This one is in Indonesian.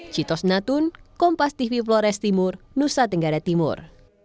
citos natun kompas tv flores timur nusa tenggara timur